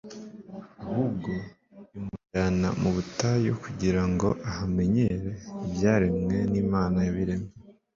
Ahubwo imujyana mu butayu kugira ngo ahamenyere ibyaremwe n'Imana yabiremye.